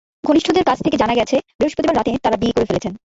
ঘনিষ্ঠজনদের কাছ থেকে জানা গেছে, বৃহস্পতিবার রাতে তাঁরা বিয়ে করে ফেলেছেন।